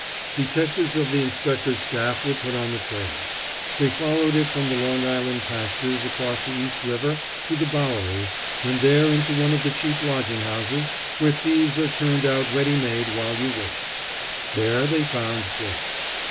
Detectives of the inspector's staff were put on the trail. They followed it from the Long Island pastures across the East River to the Bowery, and there into one of the cheap lodging houses where thieves are turned out ready made while you wait. There they found Jake.